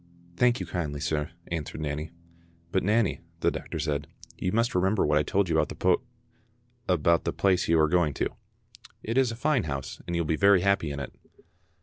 "Thank you kindly, sir," answered Nanny. "But Nanny," the doctor said, "you must remember what I told you about the poo —, about the place you are going to. It is a fine house, and you will be very happy in it."